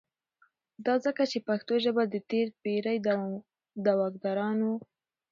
دا ځکه چې پښتو ژبه د تیری پیړۍ دواکدارانو